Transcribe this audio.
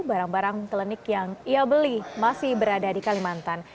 barang barang klinik yang ia beli masih berada di kalimantan